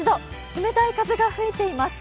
冷たい風が吹いています。